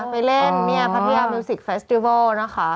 ไปเล่นเนี่ยพัทยามิวสิกเฟสติเวิลนะคะ